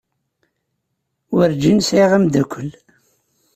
Werǧin sɛiɣ ameddakel.